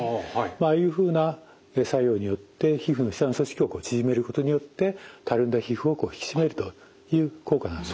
ああいうふうな作用によって皮膚の下の組織を縮めることによってたるんだ皮膚を引き締めるという効果があります。